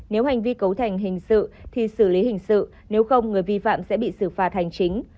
nếu hành vi cấu thành hình sự thì xử lý hình sự nếu không người vi phạm sẽ bị xử phạt hành chính